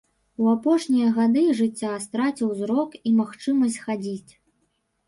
У апошнія гады жыцця страціў зрок і магчымасць хадзіць.